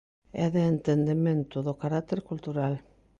É de entendemento do carácter cultural.